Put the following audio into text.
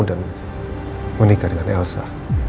dan menikah dengan elsa